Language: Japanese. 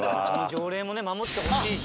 条例もね守ってほしいし。